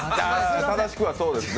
正しくはそうですね。